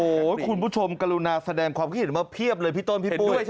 โอ้โหคุณผู้ชมกรุณาแสดงความคิดเห็นมาเพียบเลยพี่ต้นพี่ปุ้ย